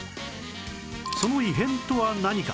その異変とは何か？